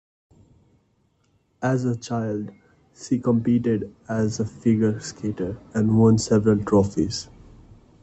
As a child, she competed as a figure skater and won several trophies.